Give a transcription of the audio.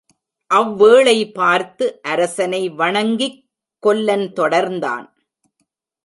அவ்வேளை பார்த்து அரசனை வணங்கிக் கொல்லன் தொடர்ந்தான்.